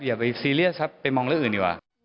อย่าไปซีเรียสครับไปมองเรื่องอื่นดีกว่า